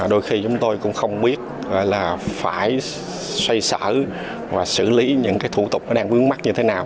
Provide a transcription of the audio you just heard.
đôi khi chúng tôi cũng không biết phải xoay xở và xử lý những thủ tục đang vướng mắt như thế nào